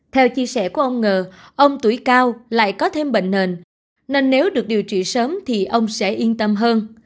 theo chia sẻ của ông ngờ ông tuổi cao lại có thêm bệnh nền nên nếu được điều trị sớm thì ông sẽ yên tâm hơn